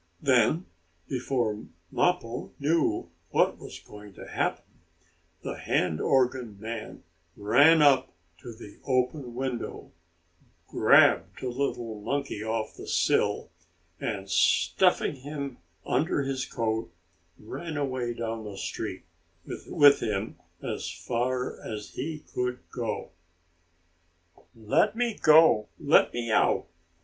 Then, before Mappo knew what was going to happen, the hand organ man ran up to the open window, grabbed the little monkey off the sill, and, stuffing him under his coat, ran away down the street with him as fast as he could go. "Let me go! Let me out!"